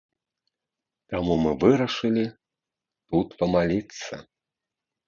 Таму мы вырашылі тут памаліцца.